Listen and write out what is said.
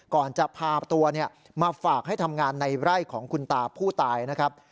ก่อนจะพาตัวมาฝากให้ทำงานในไร่ของคุณตาผู้ตายนะครับ